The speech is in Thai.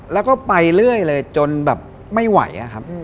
แล้วก็ไปเรื่อยเลยจนแบบไม่ไหวอะครับ